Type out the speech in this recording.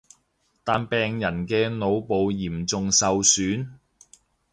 但病人嘅腦部嚴重受損